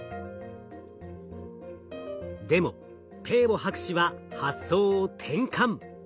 でもペーボ博士は発想を転換。